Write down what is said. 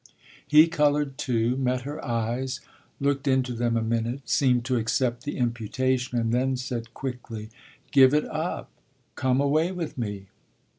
He coloured too, met her eyes, looked into them a minute, seemed to accept the imputation and then said quickly: "Give it up: come away with me."